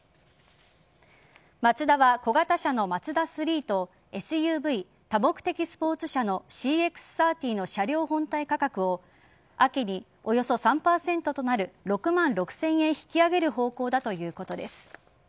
マツダは小型車のＭＡＺＤＡ３とＳＵＶ＝多目的スポーツ車のＣＸ‐３０の車両本体価格を秋におよそ３％となる６万６０００円引き上げる方向だということです。